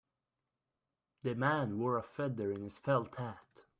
The man wore a feather in his felt hat.